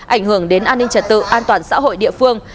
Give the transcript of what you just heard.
ảnh hưởng đến an ninh trật tự an toàn xã hội địa phương